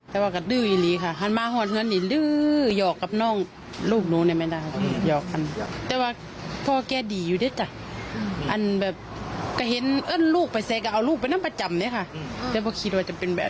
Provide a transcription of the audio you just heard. แต่ธรรมดานะ